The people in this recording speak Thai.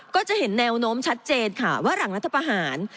ก็จะเห็นแนวโน้มชัดเจนค่ะว่าหลังรัฐประหาร